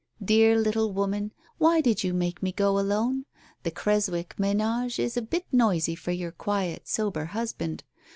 Dear little woman, why did you make me go alone ? The Creswick menage is a bit noisy for your quiet sober husband.